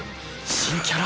新キャラ？